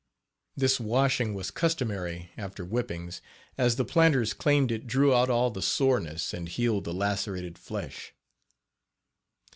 This washing was customary, after whippings, as the planters claimed it drew out all the soreness, and healed the lacerated flesh.